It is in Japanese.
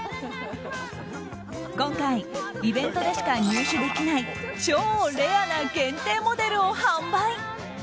今回イベントでしか入手できない超レアな限定モデルを販売。